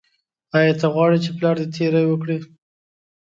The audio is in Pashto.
ایا ته غواړې چې پلار دې تیری وکړي.